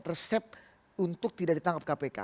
resep untuk tidak ditangkap kpk